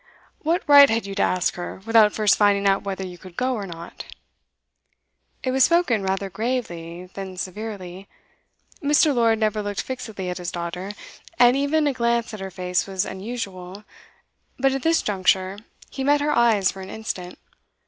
'What right had you to ask her, without first finding out whether you could go or not?' It was spoken rather gravely than severely. Mr. Lord never looked fixedly at his daughter, and even a glance at her face was unusual; but at this juncture he met her eyes for an instant.